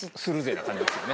な感じですよね。